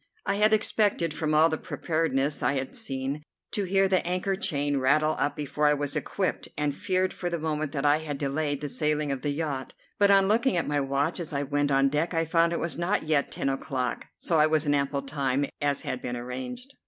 I had expected, from all the preparedness I had seen, to hear the anchor chain rattle up before I was equipped, and feared for the moment that I had delayed the sailing of the yacht; but on looking at my watch as I went on deck I found it was not yet ten o'clock, so I was in ample time, as had been arranged.